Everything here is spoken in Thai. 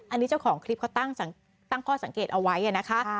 อันนี้เจ้าของคลิปเขาตั้งข้อสังเกตเอาไว้นะคะ